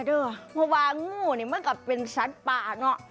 เพราะว่างูเนี่ยมันก็เป็นสัตว์ป่าเนอะ